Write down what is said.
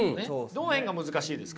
どの辺が難しいですか？